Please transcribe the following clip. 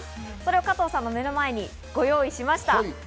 加藤さんの目の前にご用意しました。